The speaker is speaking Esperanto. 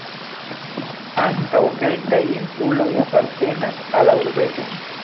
Ankaŭ kelkaj insuloj apartenas al la urbego.